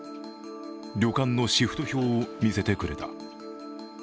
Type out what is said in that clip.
旅館のシフト表を見せてくれた。